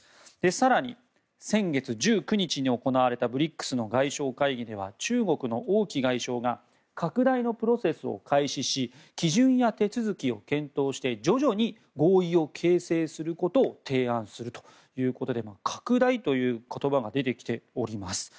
更に、先月１９日に行われたＢＲＩＣＳの外相会議では中国の王毅外相が拡大のプロセスを開始し基準や手続きを検討して徐々に合意を形成することを提案するということで拡大という言葉が出てきております。